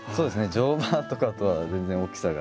乗馬とかとは全然大きさが。